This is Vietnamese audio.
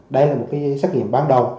đây là một cái xét nghiệm ban đầu